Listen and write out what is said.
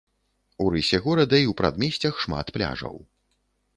У рысе горада і ў прадмесцях шмат пляжаў.